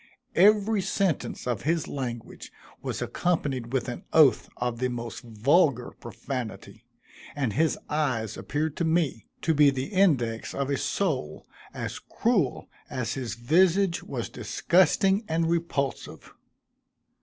Every sentence of his language was accompanied with an oath of the most vulgar profanity, and his eyes appeared to me to be the index of a soul as cruel as his visage was disgusting and repulsive.